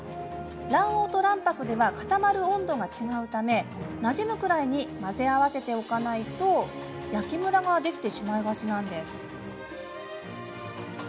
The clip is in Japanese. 卵黄と卵白では固まる温度が違うためなじむくらいに混ぜ合わせておかないと焼きムラができてしまいがちなんです。